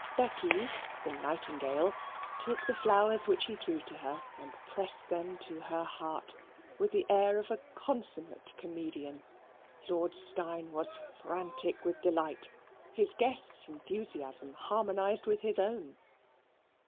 Becky, the nightingale, took the flowers which he threw to her and pressed them to her heart with the air of a consummate comedian. Lord Steyne was frantic with delight. His guests' enthusiasm harmonized with his own.